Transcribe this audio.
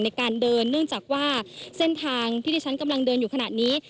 ในการเดินเนื่องจากว่าเส้นทางที่ที่ฉันกำลังเดินอยู่ขณะนี้